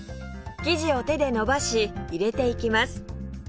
生地を手で伸ばし入れていきます